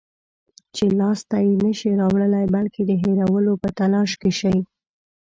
چې لاس ته یې نشی راوړلای، بلکې د هېرولو په تلاش کې شئ